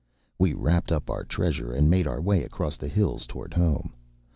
” We wrapped up our treasure, and made our way across the hills toward home.